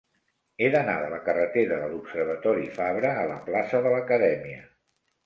He d'anar de la carretera de l'Observatori Fabra a la plaça de l'Acadèmia.